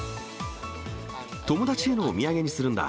友達へのお土産にするんだ。